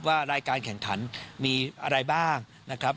ว่ารายการแข่งขันมีอะไรบ้างนะครับ